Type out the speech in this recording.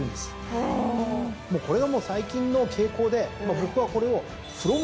これがもう最近の傾向で僕はこれを。